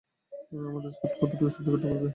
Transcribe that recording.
আমাদের স্যুট কতটুকু সহ্য করতে পারবে?